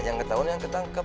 yang ketahuan yang ketangkep